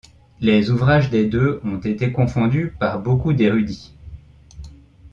Les ouvrages des deux ont été confondus par beaucoup d'érudits.